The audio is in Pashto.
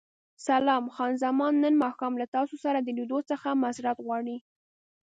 سلام، خان زمان نن ماښام له تاسو سره د لیدو څخه معذورت غواړي.